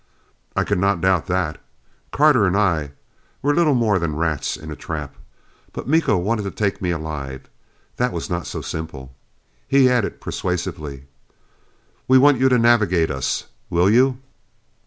I could not doubt that. Carter and I were little more than rats in a trap. But Miko wanted to take me alive: that was not so simple. He added persuasively: "We want you to navigate us. Will you?"